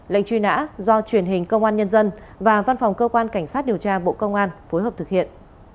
lệnh truy nã do truyền hình công an nhân dân và văn phòng cơ quan cảnh sát điều tra bộ công an phối hợp thực hiện